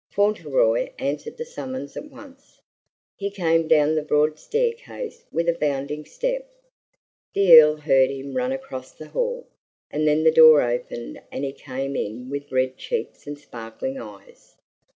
Fauntleroy answered the summons at once. He came down the broad staircase with a bounding step; the Earl heard him run across the hall, and then the door opened and he came in with red cheeks and sparkling eyes.